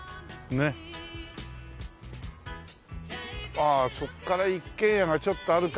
ああそっから一軒家がちょっとあるか。